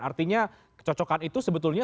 artinya kecocokan itu sebetulnya